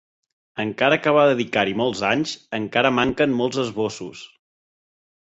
Encara que va dedicar-hi molts anys, encara manquen molts esbossos.